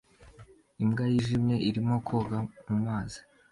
Imbwa yijimye irimo koga mumazi